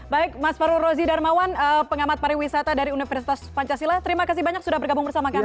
baik mas farul rozi darmawan pengamat pariwisata dari universitas pancasila terima kasih banyak sudah bergabung bersama kami